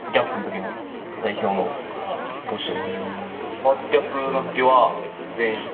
ファーストキャップの時は全員。